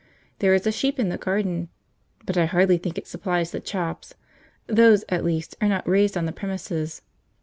There is a sheep in the garden, but I hardly think it supplies the chops; those, at least, are not raised on the premises.